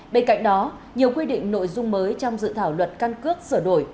bên cạnh đó nhiều quy định nội dung mới trong dự thảo luật căn cước sửa đổi